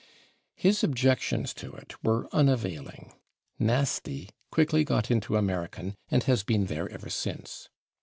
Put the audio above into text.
His objections to it were unavailing; /nasty/ quickly got into American and has been there ever since.